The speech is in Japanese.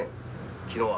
昨日は。